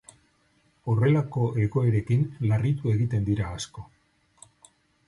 Horrelako egoerekin larritu egiten dira asko.